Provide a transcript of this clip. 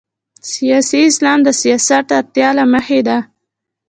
سیاسي اسلام د سیاست اړتیا له مخې ده.